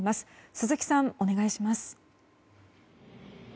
鈴木さん、お願いします。